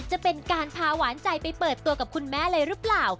จะเป็นการพาหวานใจไปเปิดตัวกับคุณแม่เลยหรือเปล่า